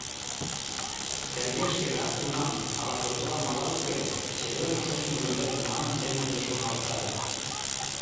Сергей шкежат тунам, «ала пӧртылам, ала уке, чеверын, шочмо велем!» манын, семынже шоналта.